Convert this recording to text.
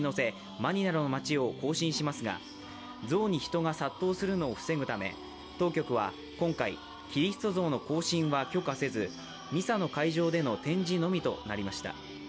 マニラの街を行進しますが、像に人が殺到するのを防ぐため当局は今回、キリスト像の行進は許可せず、ミサの会場での展示のみとなりました。